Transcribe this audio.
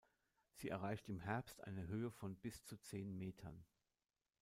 Sie erreicht im Herbst eine Höhe von bis zu zehn Metern.